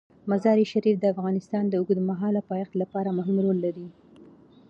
مزارشریف د افغانستان د اوږدمهاله پایښت لپاره مهم رول لري.